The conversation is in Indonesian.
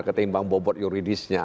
ketimbang bobot yuridisnya